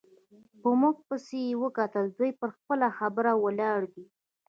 په موږ پسې یې کتل، دوی پر خپله خبره ولاړې دي.